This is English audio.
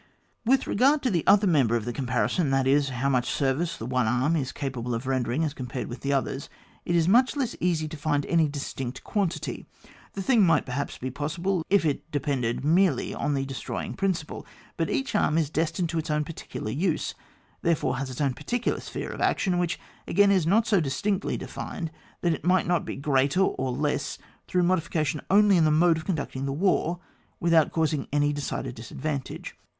With regard to the other member of the comparison, that is, how much ser vice the one arm is capable of rendering as compared with the others, it is much less easy to find any distinct quantity. The thing might perhaps be possible if it depended merely on the destroying principle ; but each arm is destined to its own particular use, therefore has its own particular sphere of action, which, again, is not so distinctly defined that it might not be greater or less through modifications only in the mode of con ducting the war, without causing any decided disadvantage.